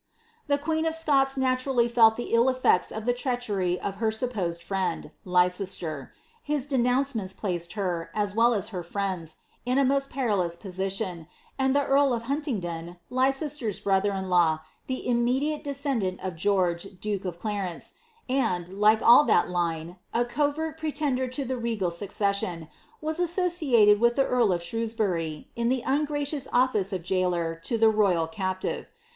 The queen of Scots naturally felt the ill eflecis of the treachery of her supposed friend, Leicester. His denouncements placed her, as well ■a her friends, in a most perilous position ; and the earl of HunlingJon, Leicester's broth er in law, the immediate descendant of George, duke of Claience, and, like all of that line, a covert pretender to the regal suc cession, was associated with the earl of Shrewsbury, in tbe ungracious office of gaoler to the royal captive.